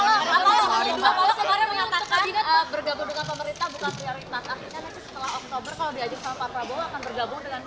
akhirnya nanti setelah oktober kalau diajukan pak prabowo akan bergabung dengan